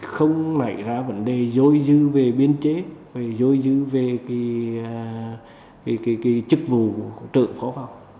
không nảy ra vấn đề dối dư về biến chế dối dư về chức vụ trợ phó phòng